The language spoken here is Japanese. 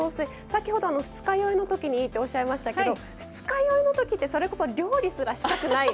先ほど二日酔いのときにいいっておっしゃいましたけど二日酔いのときってそれこそ料理すらしたくない。